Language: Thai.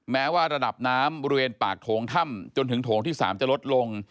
แม้ว่าระดับน้ำบริเวณปากโถงถ้ำจนถึงโถงที่๓จะลดลง